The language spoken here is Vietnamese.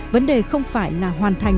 vấn đề không phải là hoàn thành